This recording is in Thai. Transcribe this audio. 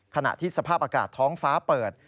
ขณะที่สภาพอากาศท้องฟ้าเปิด